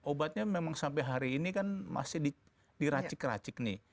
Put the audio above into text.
obatnya memang sampai hari ini kan masih diracik racik nih